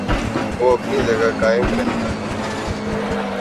وہ اپنی جگہ قائم رہتا ہے۔